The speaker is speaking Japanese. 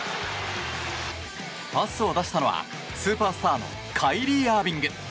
パスを出したのはスーパースターのカイリー・アービング。